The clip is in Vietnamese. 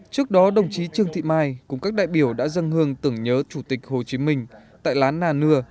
trước đó đồng chí trương thị mai cùng các đại biểu đã dâng hương tưởng nhớ chủ tịch hồ chí minh tại lán nà nưa